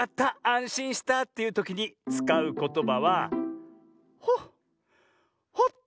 あんしんしたというときにつかうことばはホッ。